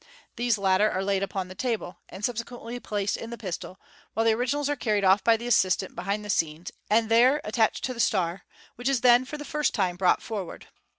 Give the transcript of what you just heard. These latter are laid upon the table, and subsequently placed in the pistol, while the originals are carried off by the assistant behind the scenes, and there attached to the star, which is then for the first time brought forward.